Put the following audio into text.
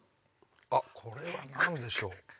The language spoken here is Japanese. あっこれは何でしょう？